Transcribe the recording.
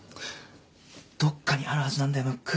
どっかにあるはずなんだよムック。